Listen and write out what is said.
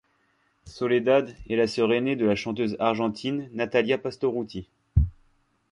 Soledad est la sœur aînée de la chanteuse argentine Natalia Pastorutti.